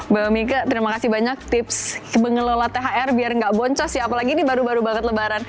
mbak mika terima kasih banyak tips pengelola thr biar nggak boncos ya apalagi ini baru baru banget lebaran